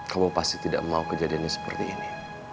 kamu pasti tidak mau kejadiannya seperti ini